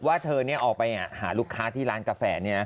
ว่าเธอออกไปหาลูกค้าที่ร้านกาแฟ